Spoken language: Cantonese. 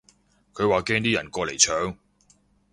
佢話驚啲人過嚟搶